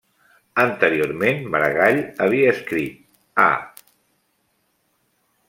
Anteriorment Maragall havia escrit Ah!